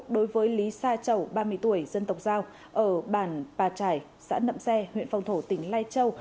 đối với lý sa chầu ba mươi tuổi dân tộc giao ở bản pà trải xã nậm xe huyện phong thổ tỉnh lai châu